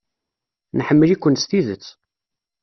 Nḥemmel-iken s tidet.